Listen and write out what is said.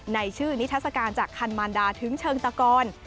ในชื่อนิทัศกาลจากคันมารดาถึงเชิงตะกร